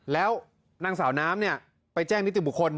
แล้วนางสาวน้ำไปแจ้งนิติบุคคล